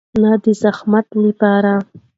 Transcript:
نه د زحمت لپاره.